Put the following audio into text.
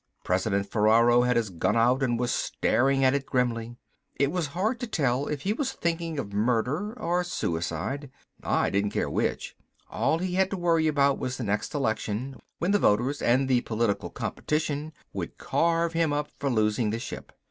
President Ferraro had his gun out and was staring at it grimly. It was hard to tell if he was thinking of murder or suicide. I didn't care which. All he had to worry about was the next election, when the voters and the political competition would carve him up for losing the ship.